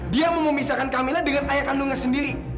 dia memisahkan kamila dengan ayah kandungnya sendiri